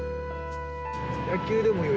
野球でもいいよ。